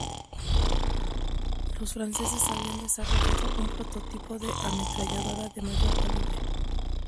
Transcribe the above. Los franceses habían desarrollado un prototipo de ametralladora de mayor calibre.